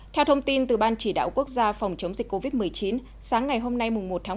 theo thông tin từ ban chỉ đạo quốc gia phòng chống dịch covid một mươi chín sáng ngày hôm nay một một mươi